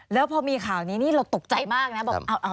แล้วพอมีข่าวนี้เราตกใจมากนะ